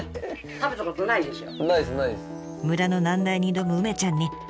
食べたことないでしょ。